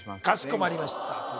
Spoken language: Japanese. かしこまりました